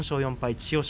千代翔